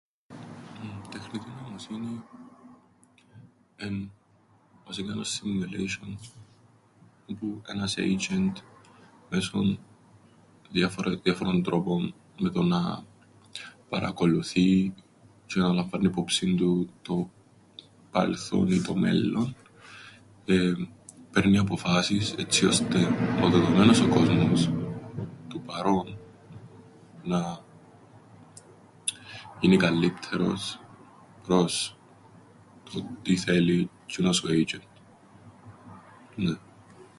Η τεχνητή νοημοσύνη... εν' βασικά έναν σιμιουλέισ̆ον όπου ένας έιτζ̆εντ, μέσον διάφορων τρόπων, με το να... παρακολουθεί τζ̆αι να λαμβάννει υπόψην του το παρελθόν ή το μέλλον, εεεμ... παίρνει αποφάσεις, έτσι ώστε ο δεδομένος ο κόσμος, το παρόν, να... γίνει καλλύττερος προς το τι θέλει τζ̆είνος ο έιντζ̆εντ. Νναι.